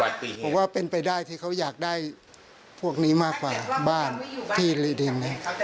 ผมว่าเป็นไปได้ที่เขาอยากได้พวกนี้มากกว่าบ้านที่รีเดน